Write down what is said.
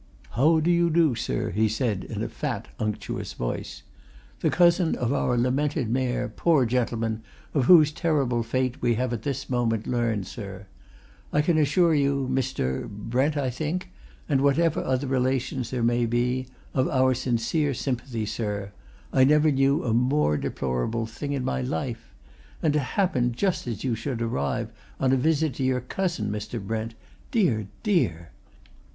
"How do you do, sir?" he said in a fat, unctuous voice. "The cousin of our lamented Mayor, poor gentleman, of whose terrible fate we have this moment learned, sir. I can assure you, Mr. Brent, I think? and whatever other relations there may be, of our sincere sympathy, sir I never knew a more deplorable thing in my life. And to happen just as you should arrive on a visit to your cousin, Mr. Brent dear, dear!